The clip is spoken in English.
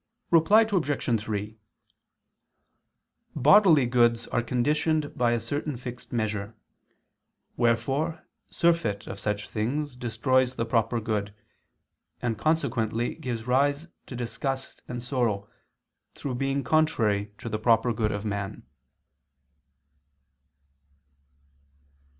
Reply Obj. 3: Bodily goods are conditioned by a certain fixed measure: wherefore surfeit of such things destroys the proper good, and consequently gives rise to disgust and sorrow, through being contrary to the proper good of man.